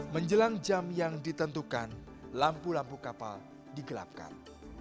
menjelang jam yang ditentukan lampu lampu kapal digelapkan